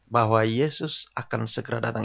bahwa yesus akan segera datang